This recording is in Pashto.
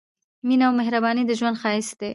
مينه او مهرباني د ژوند ښايست دی